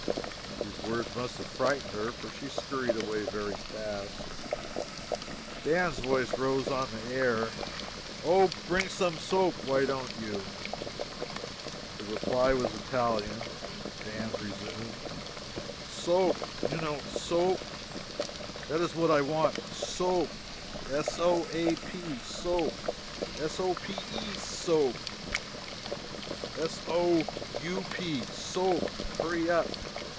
These words must have frightened her, for she skurried away very fast. Dan's voice rose on the air: "Oh, bring some soap, why don't you!" The reply was Italian. Dan resumed: "Soap, you know soap. That is what I want soap. S o a p, soap; s o p e, soap; s o u p, soap. Hurry up!